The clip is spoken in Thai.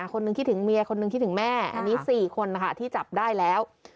คนหนึ่งคิดถึงเมียคนหนึ่งคิดถึงแม่อันนี้๔คนนะคะที่จับได้แล้ว